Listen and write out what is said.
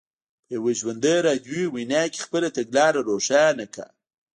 په یوه ژوندۍ راډیویي وینا کې خپله تګلاره روښانه کړه.